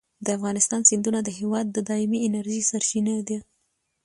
د افغانستان سیندونه د هېواد د دایمي انرژۍ سرچینې دي.